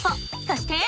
そして！